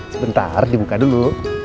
sebentar dibuka dulu